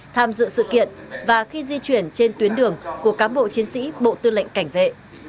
tham dự sự kiện và khi di chuyển trên tuyến đường của cám bộ chiến sĩ bộ tư lệnh cảnh vệ